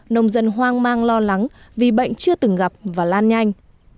nông dân hoang mang lo lắng vì bệnh chưa từng gặp và lan nhanh